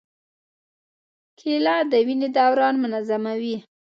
کېله د وینې دوران منظموي.